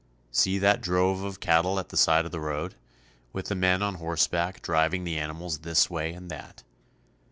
See that drove of cattle at the side of the road, with the men on horseback driving the animals this way and that.